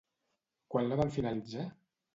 Quan la van finalitzar?